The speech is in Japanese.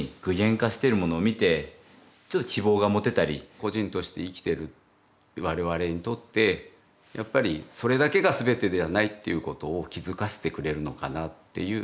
個人として生きてる我々にとってやっぱりそれだけが全てではないっていうことを気づかせてくれるのかなっていう。